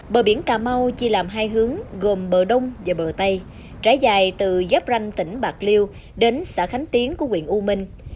bờ biển cà mau chia làm hai hướng gồm bờ đông và bờ tây trải dài từ giáp ranh tỉnh bạc liêu đến xã khánh tiến của quyện u minh